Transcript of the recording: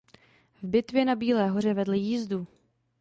V bitvě na Bílé hoře vedl jízdu.